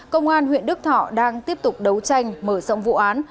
công an huyện đức thọ đang tiếp tục đấu tranh mở rộng vụ án